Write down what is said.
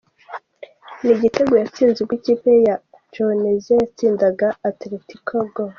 Ni igitego yatsinze ubwo ikipe ye ya Goianesia yatsindaga Atletico-Go.